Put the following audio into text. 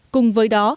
cùng với đó